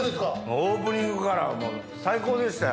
オープニングから最高でしたよ。